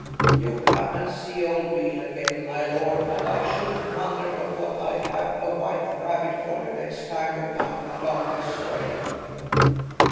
You come and see old Beale again, my lord, and I shouldn't wonder but what I'd have a white rabbit for you next time you come along this way."